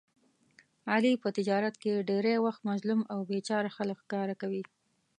علي په تجارت کې ډېری وخت مظلوم او بې چاره خلک ښکار کوي.